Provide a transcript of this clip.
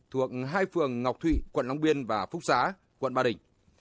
thuộc hai phường ngọc thụy quận long biên và phúc xá quận ba đình